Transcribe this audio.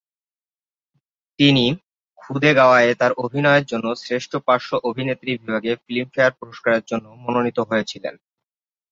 তিনি "খুদা গাওয়া"-এ তাঁর অভিনয়ের জন্য শ্রেষ্ঠ পার্শ্ব অভিনেত্রী বিভাগে ফিল্মফেয়ার পুরস্কারের জন্য মনোনীত হয়েছিলেন।